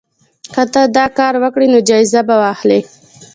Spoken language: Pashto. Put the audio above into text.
که ته دا کار وکړې نو جایزه به واخلې.